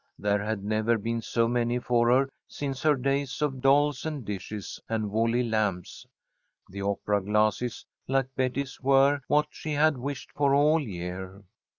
There had never been so many for her since her days of dolls and dishes and woolly lambs. The opera glasses like Betty's were what she had wished for all year.